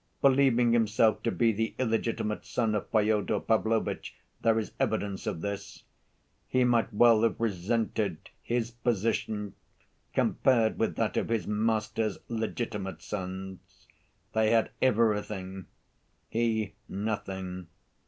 Believing himself to be the illegitimate son of Fyodor Pavlovitch (there is evidence of this), he might well have resented his position, compared with that of his master's legitimate sons. They had everything, he nothing.